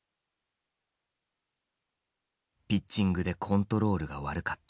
「ピッチングでコントロールがわるかった」。